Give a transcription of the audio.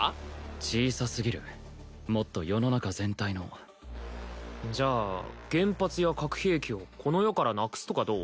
小さすぎるもっと世の中全体のじゃあ原発や核兵器をこの世からなくすとかどう？